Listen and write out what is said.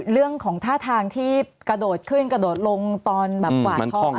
เรื่องของท่าทางที่กระโดดขึ้นกระโดดลงตอนแบบกวาดทอง